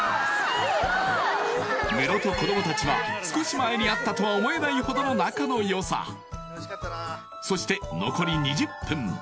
ムロと子どもたちは少し前に会ったとは思えないほどの仲の良さそして残り２０分